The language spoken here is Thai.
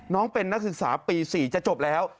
น้องเป็นนักศึกษาปี๔จะจบแล้ว